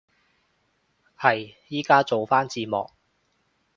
係，依家做返字幕